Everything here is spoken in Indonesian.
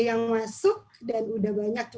yang masuk dan udah banyak